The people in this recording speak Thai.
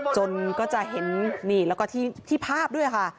จนก็จะเห็นนี่แล้วก็ที่ภาพด้วยค่ะ